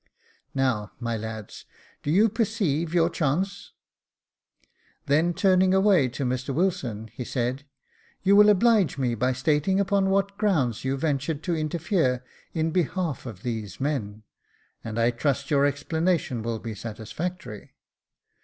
Now, my lads, do you perceive your chance ?" Then turning away to Mr Wilson, he said, " You will oblige me by stating upon what grounds you ventured to interfere in behalf of these men, and I trust your explana tion will be satisfactory.